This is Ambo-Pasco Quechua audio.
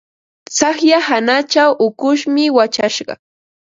Tsaqlla hanachaw ukushmi wachashqa.